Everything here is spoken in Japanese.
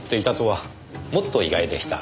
もっと意外でした。